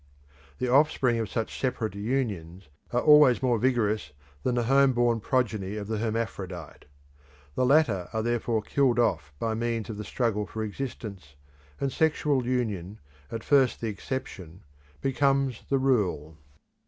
The offspring of such separate unions are always more vigorous than the home born progeny of the hermaphrodite. The latter are therefore killed off by means of the struggle for existence, and sexual union, at first the exception, becomes the rule.